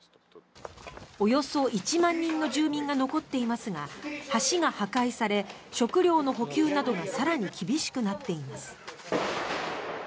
およそ１万人の住民が残っていますが橋が破壊され、食料の補給などが更に厳しくなっています。